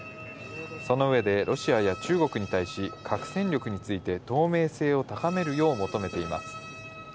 その上で、ロシアや中国に対し、核戦力について透明性を高めるよう求めています。